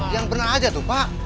yang benar aja tuh pak